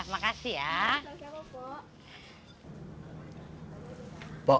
makasih apa pok